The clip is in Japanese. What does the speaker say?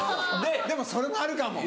でもそれもあるかも。